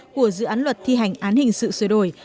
của dự án luật thi hành án hình sự sửa đổi